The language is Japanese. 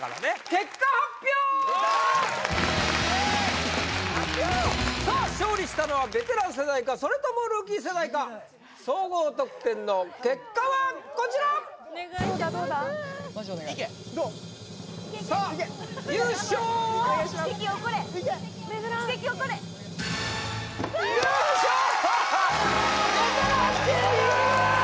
結果発表さあ勝利したのはベテラン世代かそれともルーキー世代か総合得点の結果はこちらどうだどうださあ優勝は奇跡起これ優勝はベテランチーム